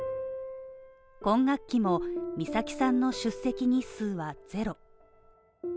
今学期も美咲さんの出席日数は０。